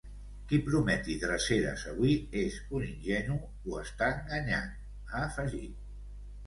Qui prometi dreceres avui és un ingenu o està enganyant, ha afegit.